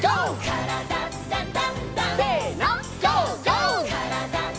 「からだダンダンダン」せのＧＯ！